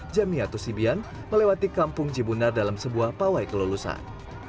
jamiatusibian melewati kampung cibunar dalam sebuah pawai kelulusan